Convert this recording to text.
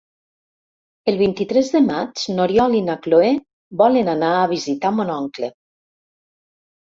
El vint-i-tres de maig n'Oriol i na Cloè volen anar a visitar mon oncle.